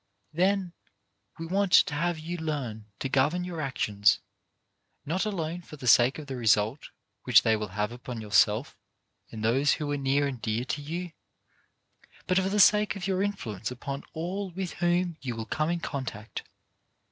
Then we want to have you to learn to govern your actions, not alone for the sake of the result which they will have upon yourself and those who are near and dear to you, but for the sake of your influence upon all with whom you will come in contact.